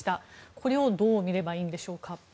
これをどう見ればいいんでしょうか。